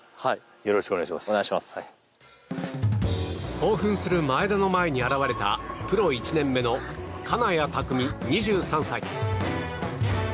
興奮する前田の前に現れたプロ１年目の金谷拓実、２３歳。